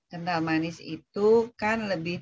kental manis itu kan lebih